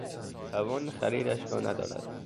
توان خریدش را ندارد.